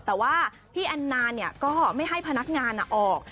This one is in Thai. แต่ว่าพี่แอนนาก็ไม่ให้พนักงานออก